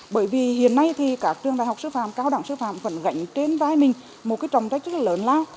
bởi vì hiện nay thì các trường đại học sư phạm cao đẳng sư phạm vẫn gạnh trên vai mình một trọng tách rất lớn lao